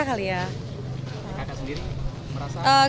kaka sendiri merasa